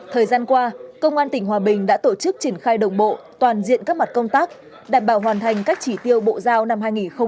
thời gian qua công an tỉnh hòa bình đã tổ chức triển khai đồng bộ toàn diện các mặt công tác đảm bảo hoàn thành các chỉ tiêu bộ giao năm hai nghìn hai mươi ba